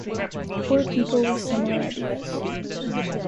Or people with similar ideas.